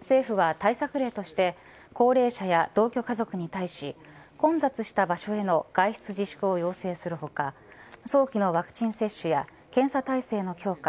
政府は対策例として高齢者や同居家族に対し混雑した場所への外出自粛を要請する他早期のワクチン接種や検査体制の強化